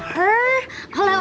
pasti mahal kalau dari iko